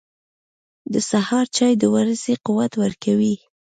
• د سهار چای د ورځې قوت ورکوي.